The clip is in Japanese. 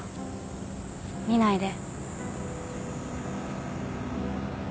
見ないで。